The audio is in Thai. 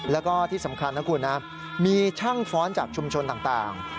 แล้วก็ที่สำคัญนะคุณนะมีช่างฟ้อนจากชุมชนต่าง